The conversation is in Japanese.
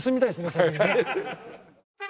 先にね。